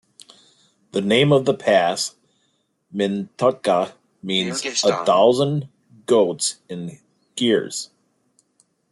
The name of the pass - Mintaka means "a thousand goats" in Kyrgyz.